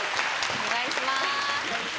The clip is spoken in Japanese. お願いします